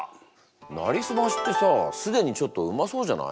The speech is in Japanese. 「なりすまし」ってさ既にちょっとうまそうじゃない？